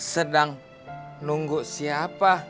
sedang nunggu siapa